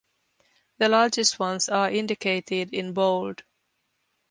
The largest ones are indicated in bold.